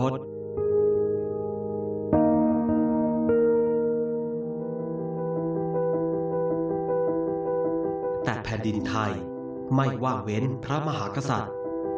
แต่แผ่นดินไทยไม่ว่างเว้นพระมหากษัตริย์